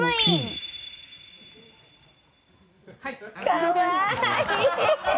かわいい！